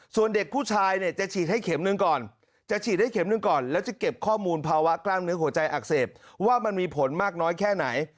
ส่วนเด็กผู้ชายจะฉีดให้๑เข็มก่อนแล้วจะเก็บข้อมูลภาวะกล้างเนื้อหัวใจอักเสบว่ามันมีผลมากน้อยแค่ไหน